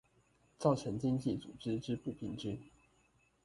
造成經濟組織之不平均